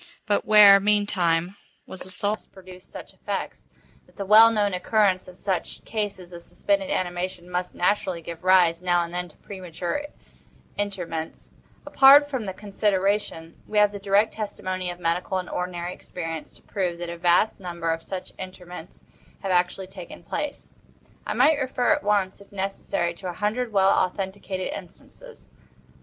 But where, meantime, was the soul? Apart, however, from the inevitable conclusion, a priori that such causes must produce such effects——that the well known occurrence of such cases of suspended animation must naturally give rise, now and then, to premature interments—apart from this consideration, we have the direct testimony of medical and ordinary experience to prove that a vast number of such interments have actually taken place. I might refer at once, if necessary, to a hundred well authenticated instances.